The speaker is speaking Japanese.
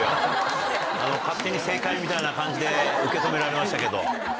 勝手に正解みたいな感じで受け止められましたけど。